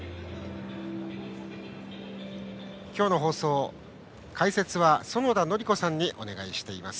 今日の放送、解説は園田教子さんにお願いしています。